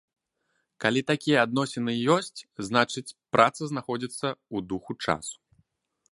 Калі такія адносіны ёсць, значыць, праца знаходзіцца ў духу часу.